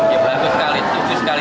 ya bagus sekali tujuh sekali